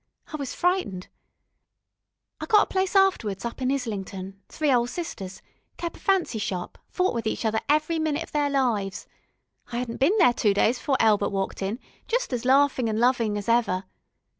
I was frightened. I got a place afterwards up Islington, three ol' sisters, kep' a fancy shop, fought with each other every minute of their lives. I 'adn't bin there two days before Elbert walked in, jest as laughin' an' lovin' as ever.